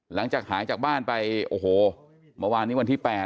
หลังจากหายจากบ้านไปโอ้โหเมื่อวานนี้วันที่๘